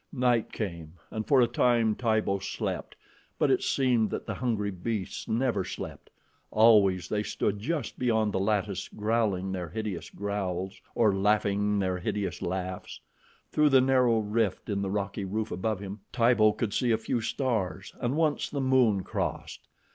Night came, and for a time Tibo slept, but it seemed that the hungry beasts never slept. Always they stood just beyond the lattice growling their hideous growls or laughing their hideous laughs. Through the narrow rift in the rocky roof above him, Tibo could see a few stars, and once the moon crossed.